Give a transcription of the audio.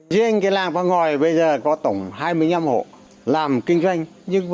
riêng cái làng văn ngòi bây giờ có tổng hai mươi năm hộ làm kinh doanh